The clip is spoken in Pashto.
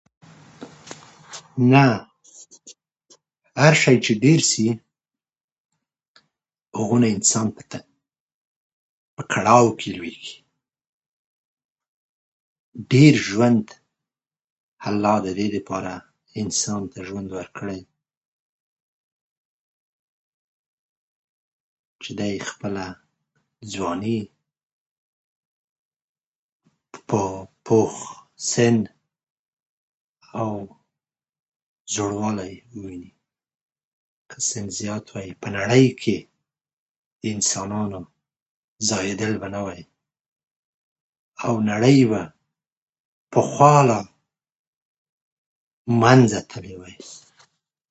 کومه لاسته راوړنه دې درلوده تيره مياشت کې